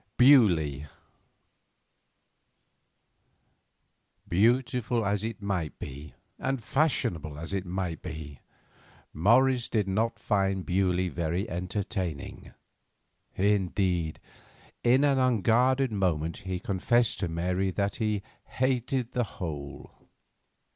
BEAULIEU Beautiful as it might be and fashionable as it might be, Morris did not find Beaulieu very entertaining; indeed, in an unguarded moment he confessed to Mary that he "hated the hole."